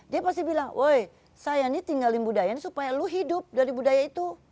dia pasti bilang woy saya ini tinggalin budaya ini supaya lu hidup dari budaya itu